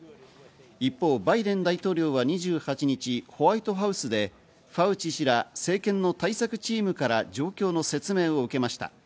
一方、バイデン大統領は２８日、ホワイトハウスでファウチ氏ら政権の対策チームから状況の説明を受けました。